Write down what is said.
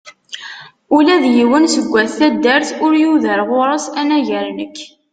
Ula d yiwen seg at taddart ur yuder ɣur-s, anagar nekk.